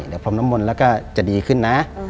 เดี๋ยวพรมน้ำมนต์แล้วก็จะดีขึ้นนะ